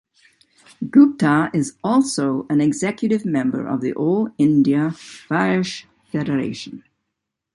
Gupta is also an executive member of the All India Vaish Federation.